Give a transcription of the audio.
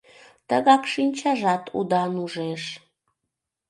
Тыгак шинчажат удан ужеш.